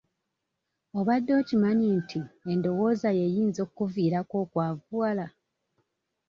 Obadde okimanyi nti endowoozayo eyinza okkuviirako okwavuwala?